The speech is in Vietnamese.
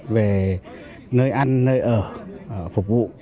về nơi ăn nơi ở phục vụ